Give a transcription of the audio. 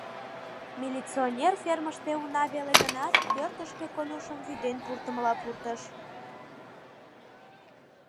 Милиционер фермыште уна веле гынат, пӧртышкӧ Колюшым вӱден пуртымыла пуртыш.